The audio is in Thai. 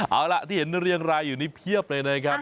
เอาล่ะที่เห็นเรียงรายอยู่นี่เพียบเลยนะครับ